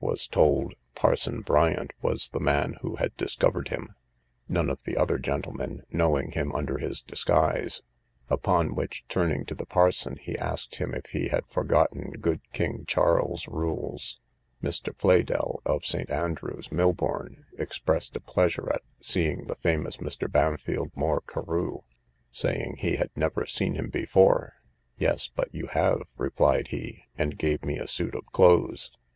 was told, Parson Bryant was the man who had discovered him, none of the other gentlemen knowing him under his disguise: upon which, turning to the parson, he asked him if he had forgotten good king Charles's rules? Mr. Pleydell, of St. Andrew's, Milbourn, expressed a pleasure at seeing the famous Mr. Bampfylde Moore Carew, saying he had never seen him before. Yes, but you have, replied he, and gave me a suit of clothes.